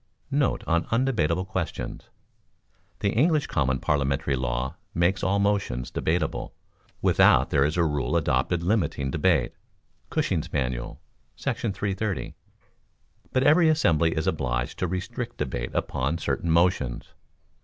Note On Undebatable Questions.—The English common parliamentary law makes all motions debatable, without there is a rule adopted limiting debate [Cushing's Manual, § 330]; but every assembly is obliged to restrict debate upon certain motions.